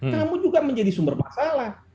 kamu juga menjadi sumber masalah